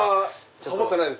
サボってないです